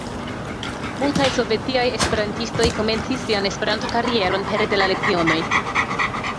Multaj sovetiaj esperantistoj komencis sian Esperanto-karieron pere de la lecionoj.